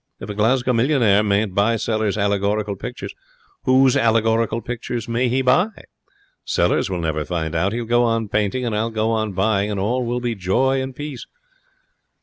'If a Glasgow millionaire mayn't buy Sellers' allegorical pictures, whose allegorical pictures may he buy? Sellers will never find out. He'll go on painting and I'll go on buying, and all will be joy and peace.'